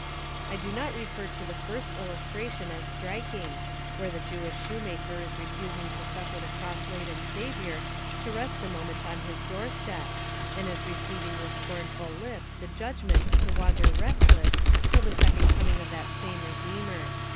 I do not refer to the first illustration as striking, where the Jewish shoemaker is refusing to suffer the cross laden Savior to rest a moment on his door step, and is receiving with scornful lip the judgment to wander restless till the Second Coming of that same Redeemer.